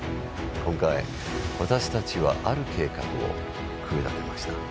今回、私たちはある計画を企てました。